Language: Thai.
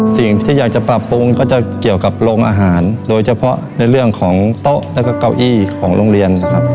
สิ่งที่อยากจะปรับปรุงก็จะเกี่ยวกับโรงอาหารโดยเฉพาะในเรื่องของโต๊ะแล้วก็เก้าอี้ของโรงเรียนนะครับ